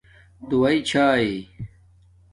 دݸئی چھݺ.